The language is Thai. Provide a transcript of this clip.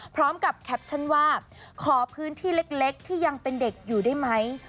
พร้อมกับแคปชั่นว่าขอพื้นที่เล็กที่ยังเป็นเด็กอยู่ได้ไหม